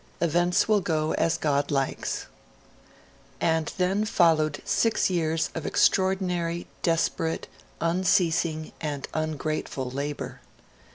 Events will go as God likes.' And then followed six years of extraordinary, desperate, unceasing, and ungrateful labour.